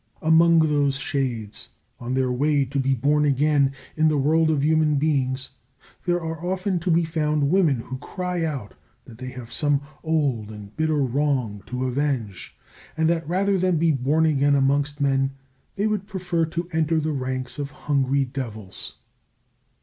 Amongst those shades, on their way to be born again in the world of human beings, there are often to be found women who cry out that they have some old and bitter wrong to avenge, and that rather than be born again amongst men they would prefer to enter the ranks of hungry devils.